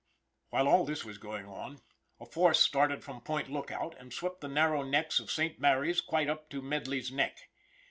While all this was going on, a force started from Point Lookout, and swept the narrow necks of Saint Mary's quite up to Medley's Neck.